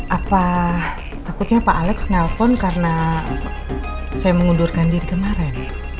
apa takutnya pak alex nelpon karena saya mengundurkan diri kemarin